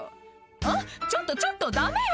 「あっちょっとちょっとダメよ